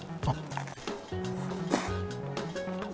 あっ。